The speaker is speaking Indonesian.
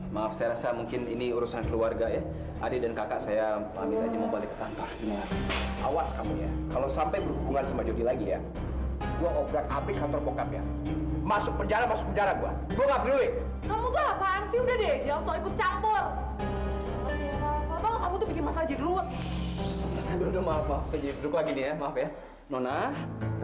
papa harus cari faldo sampai dapet dong